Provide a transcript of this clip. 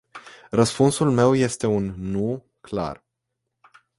Răspunsul meu este un "nu” clar.